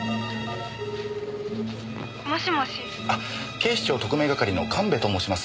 警視庁特命係の神戸と申します。